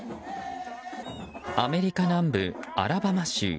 アメリカ南部アラバマ州。